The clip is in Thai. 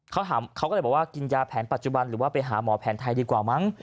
เขาก็เลยบอกว่ากินยาแผนปัจจุบันหรือว่าไปหาหมอแผนไทยดีกว่ามั้ง